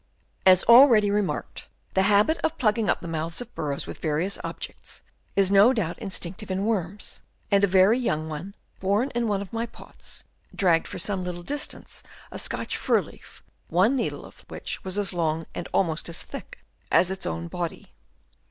As already remarked, the habit of plugging up the mouths of the burrows with various objects, is no doubt instinctive in worms ; and a very young one, born in one of my pots, dragged for some little distance a Scotch fir leaf, one needle of which was as long and almost as thick as its own body.